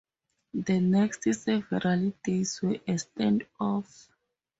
The next several days were a standoff.